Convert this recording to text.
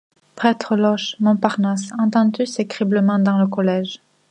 Prête l'oche, Montparnasse, entends-tu ces criblements dans le collège?